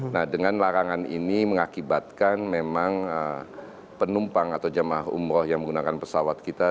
nah dengan larangan ini mengakibatkan memang penumpang atau jamaah umroh yang menggunakan pesawat kita